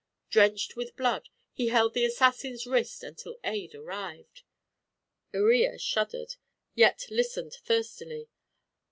Drenched with blood, he held the assassin's wrist until aid arrived." Iría shuddered, yet listened thirstily.